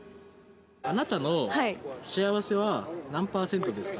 あなたの幸せは何パーセントですか？